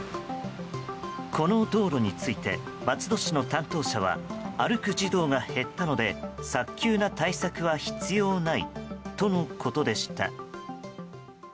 この道路について松戸市の担当者は歩く児童が減ったので早急な対策は必要ないとのことでした。